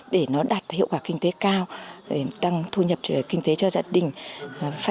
để nó đạt hiệu quả kinh tế cao tăng thu nhập kinh tế cho gia đình